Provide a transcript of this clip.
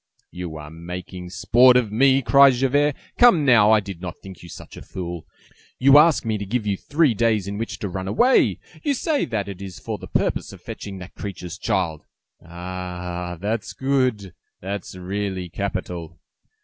"You are making sport of me!" cried Javert. "Come now, I did not think you such a fool! You ask me to give you three days in which to run away! You say that it is for the purpose of fetching that creature's child! Ah! Ah! That's good! That's really capital!"